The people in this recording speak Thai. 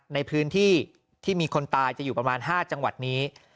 ในพื้นที่ที่มีคนตายจะอยู่ประมาณ๕จังหวัดนี้